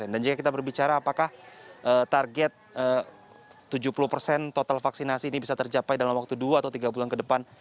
dan jika kita berbicara apakah target tujuh puluh persen total vaksinasi ini bisa tercapai dalam waktu dua atau tiga bulan ke depan